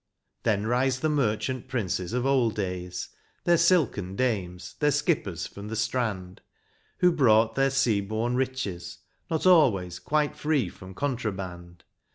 Then rise the merchant princes of old days. Their silken dames, their skippers from the strand. Who brought their sea borne riches, not always Quite free from contraband.